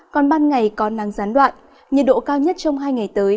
còn ban ngày có nắng gián đoạn nhiệt độ cao nhất trong hai ngày tới